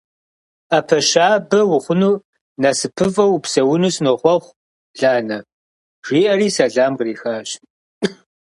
- Ӏэпэ щабэ ухъуну, насыпыфӀэу упсэуну сынохъуэхъу, Ланэ! – жиӀэри сэлам кърихащ.